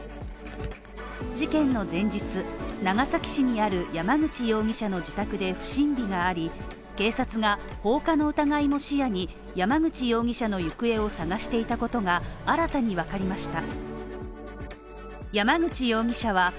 事件の前日、長崎市にある山口容疑者の自宅で不審火があり、警察が放火の疑いも視野に山口容疑者の行方を捜していたことが、新たに分かりました。